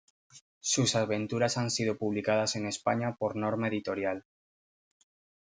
Sus aventuras han sido publicadas en España por Norma Editorial.